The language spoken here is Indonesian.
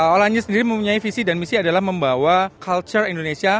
olanyo sendiri mempunyai visi dan misi adalah membawa culture indonesia